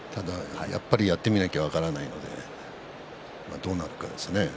でもやってみないと分からないのでどうなるかですね。